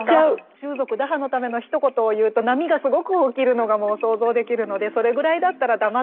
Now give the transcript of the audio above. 習俗打破のためのひと言を言うと波がすごく起きるのがもう想像できるのでそれぐらいだったら黙ってやれば。